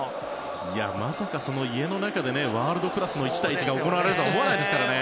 まさか、家の中でワールドクラスの１対１が行われるとは思わないですからね。